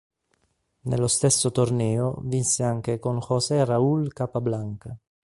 Nello stesso torneo vinse anche con José Raúl Capablanca.